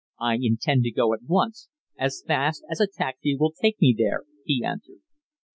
"I intend to go at once as fast as a taxi will take me there," he answered.